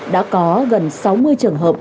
đã có gần sáu mươi trường hợp